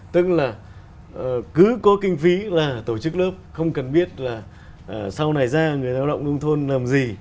tức là cứ có kinh phí là tổ chức lớp không cần biết là sau này ra người lao động nông thôn làm gì